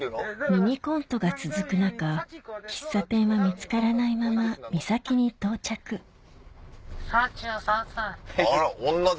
ミニコントが続く中喫茶店は見つからないまま岬に到着「３３歳」。